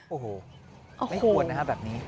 โอ้โหไม่ควรนะฮะแบบนี้